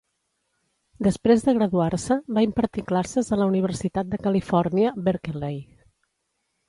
Després de graduar-se, va impartir classes a la Universitat de Califòrnia, Berkeley.